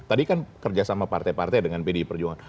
tadi kan kerjasama partai partai dengan pdi perjuangan